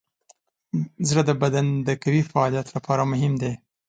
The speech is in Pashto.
زړه د بدن د قوي فعالیت لپاره مهم دی.